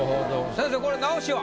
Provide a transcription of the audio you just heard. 先生これ直しは？